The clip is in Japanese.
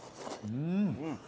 うん！